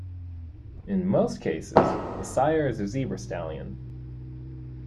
In most cases, the sire is a zebra stallion.